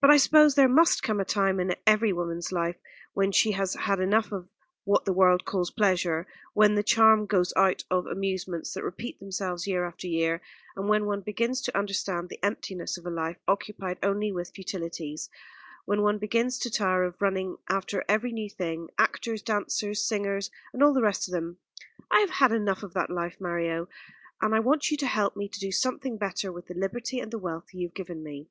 But I suppose there must come a time in every woman's life when she has had enough of what the world calls pleasure, when the charm goes out of amusements that repeat themselves year after year; and when one begins to understand the emptiness of a life, occupied only with futilities, when one begins to tire of running after every new thing, actors, dancers, singers, and all the rest of them. I have had enough of that life, Mario; and I want you to help me to do something better with the liberty and the wealth you have given me."